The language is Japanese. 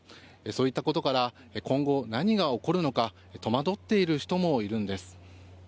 そういったことから今後、何が起こるのか戸惑っている人もいるんです。